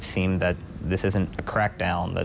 ที่พูดเกิดวิ่ง